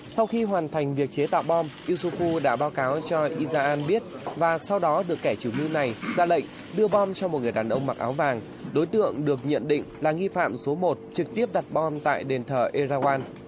sau khi hoàn thành việc chế tạo bom đã báo cáo cho isaan biết và sau đó được kẻ chủ mưu này ra lệnh đưa bom cho một người đàn ông mặc áo vàng đối tượng được nhận định là nghi phạm số một trực tiếp đặt bom tại đền thờ erawan